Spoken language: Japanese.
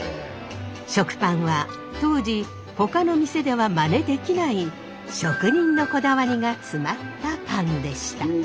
食パンは当時ほかの店ではまねできない職人のこだわりが詰まったパンでした。